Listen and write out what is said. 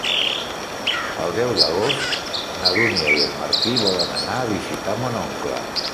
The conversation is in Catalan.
El deu d'agost na Dúnia i en Martí volen anar a visitar mon oncle.